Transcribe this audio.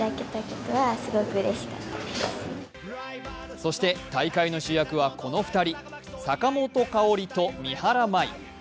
そして大会の主役はこの２人坂本花織と三原舞依。